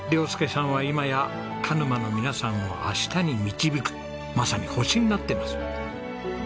亮佑さんは今や鹿沼の皆さんを明日に導くまさに星になってます。